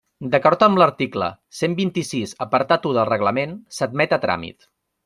D'acord amb l'article cent vint-i-sis apartat u del Reglament, s'admet a tràmit.